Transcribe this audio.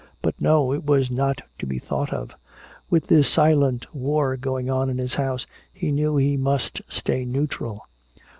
But no, it was not to be thought of. With this silent war going on in his house he knew he must stay neutral.